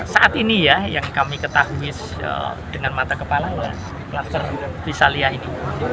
saat ini ya yang kami ketahui dengan mata kepala kluster rizalia ini